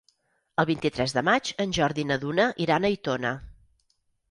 El vint-i-tres de maig en Jordi i na Duna iran a Aitona.